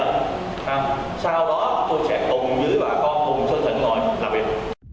sau đó tôi sẽ cùng với bà con cùng sơn thịnh một làm việc